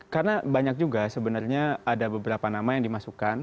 karena banyak juga sebenarnya ada beberapa nama yang dimasukkan